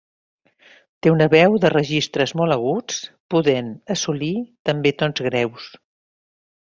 Té una veu de registres molt aguts, podent assolir també tons greus.